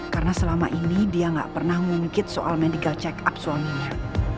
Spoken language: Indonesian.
karena selama ini dia nggak pernah ngungkit soal medical check up suaminya